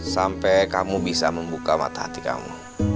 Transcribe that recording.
sampai kamu bisa membuka mata hati kamu